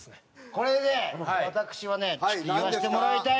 これね私はねちょっと言わせてもらいたいのが。